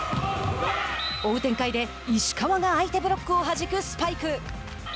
追う展開で石川が相手ブロックをはじくスパイク。